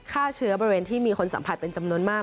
ฆ่าเชื้อบริเวณที่มีคนสัมผัสเป็นจำนวนมาก